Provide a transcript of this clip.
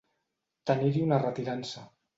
Tenir-hi una retirança.